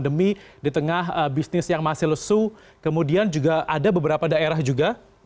demi di tengah bisnis yang masih lesu kemudian juga ada beberapa daerah juga